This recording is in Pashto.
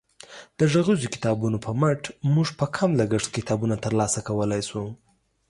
د غږیزو کتابونو په مټ موږ په کم لګښت کتابونه ترلاسه کولی شو.